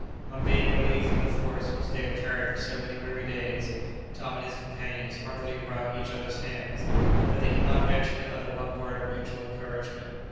On being relieved from the forks which they had carried for so many weary days, Tom and his companions heartily wrung each other's hands, but they could not venture to utter one word of mutual encouragement.